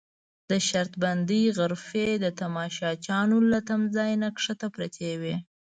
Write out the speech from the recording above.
د شرط بندۍ غرفې د تماشچیانو له تمځای نه کښته پرتې وې.